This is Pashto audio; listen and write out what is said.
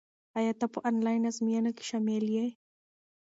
ایا ته په انلاین ازموینه کې شامل یې؟